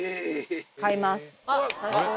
買います。